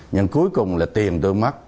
nhưng cuối cùng là tiền tôi mất